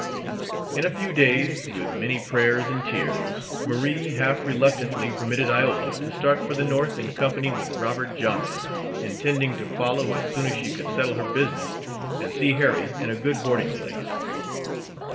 In a few days, with many prayers and tears, Marie, half reluctantly, permitted Iola to start for the North in company with Robert Johnson, intending to follow as soon as she could settle her business and see Harry in a good boarding place.